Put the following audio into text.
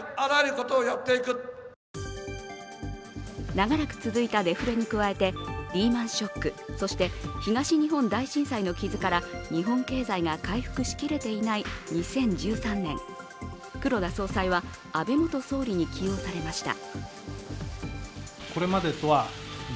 長らく続いたデフレに加えて、リーマン・ショック、そして、東日本大震災の傷から日本経済が回復しきれていない２０１３年、黒田総裁は安倍元総理に起用されました。